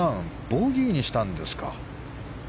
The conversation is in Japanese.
ボギーにしたんですか。